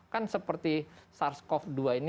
kan seperti sars cov dua ini